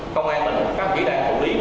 công an mình các vị đảng phụ liên